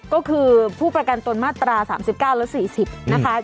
ก็คือผู้ประกันตนมาตรา๓๙และ๔๐นะคะ